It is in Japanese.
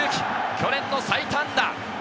去年の最多安打。